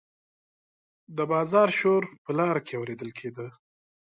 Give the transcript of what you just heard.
د بازار شور په لاره کې اوریدل کیده.